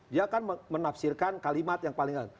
dia kan menafsirkan kalimat yang paling